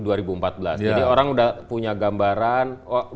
jadi orang sudah punya gambaran